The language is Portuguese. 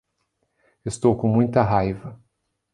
Estou com muita raiva